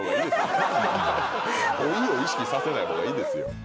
老いを意識させない方がいいですよ。